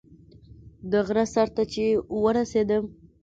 د غره سر ته چې ورسېدم.